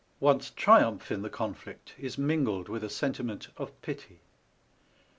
One's triumph in the conflict is mingled with a sentiment of pity.